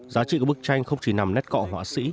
giá trị của bức tranh không chỉ nằm nét cọ họa sĩ